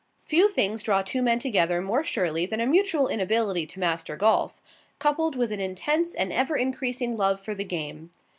Few things draw two men together more surely than a mutual inability to master golf, coupled with an intense and ever increasing love for the game.